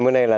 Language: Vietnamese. mới đây là